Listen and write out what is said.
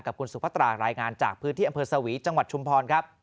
กับคุณสุพัตรารายงานจากพื้นที่อำเภอสวีจังหวัดชุมพรครับ